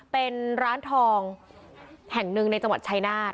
เป็นร้านทองแห่งหนึ่งในจังหวัดชายนาฏ